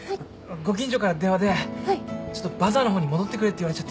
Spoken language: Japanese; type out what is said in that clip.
ご近所から電話でちょっとバザーの方に戻ってくれって言われちゃって。